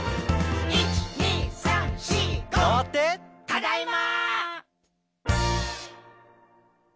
「ただいま！」